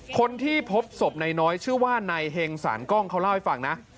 คนที่พบศพนายน้อยชื่อว่านายเฮงสารกล้องเขาเล่าให้ฟังนะ